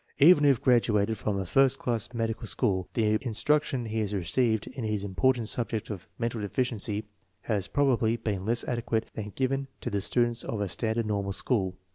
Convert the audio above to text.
Even if graduated from a first rank medical school, the instruction he has received in the important subject of mental deficiency has probably been less adequate than that given to the students of a standard normal school.